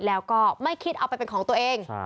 แล้วก็ไม่คิดเอาไปเป็นของตัวเอง